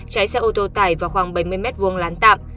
cháy xe ô tô tải vào khoảng bảy mươi m hai lán tạm